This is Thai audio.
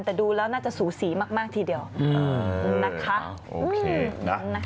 แต่ดูแล้วน่าจะสูสีมากมากทีเดียวอืมนะคะโอเคนะ